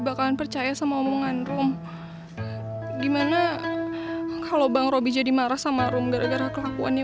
bakalan percaya sama omongan rom gimana kalau bang roby jadi marah sama room gara gara kelakuannya